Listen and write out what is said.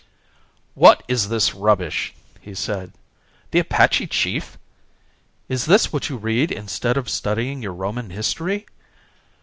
"What is this rubbish?" he said. "The Apache Chief! Is this what you read instead of studying your Roman History?